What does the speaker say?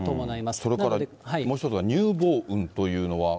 それからもう一つが乳房雲というのが。